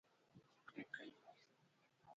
ویل کېږي د سلیمان علیه السلام جسد پر امسا تکیه و.